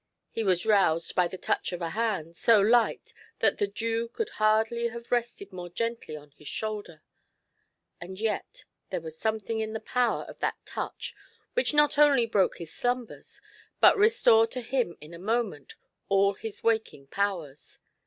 He was roused by the touch of a hand, so light that the dew could hardly have rested more gently on his shoulder ; and yet there was something in the power of that touch which not only broke his slumbers, but restored to him in a moment all his waking powers.